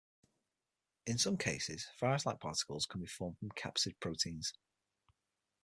In some cases, virus-like particles can be formed from capsid proteins.